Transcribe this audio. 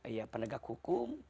ya pendagang hukum